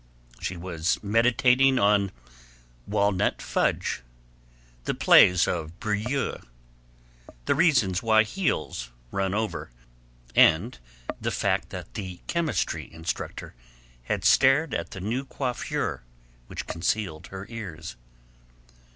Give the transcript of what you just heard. She was meditating upon walnut fudge, the plays of Brieux, the reasons why heels run over, and the fact that the chemistry instructor had stared at the new coiffure which concealed her ears.